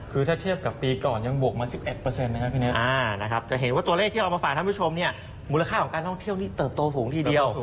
คือถ้าเทียบกับปีก่อนยังบวกมา๑๑นะครับพี่เน็ต